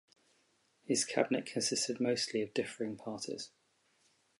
His cabinet consisted mostly of differing parties.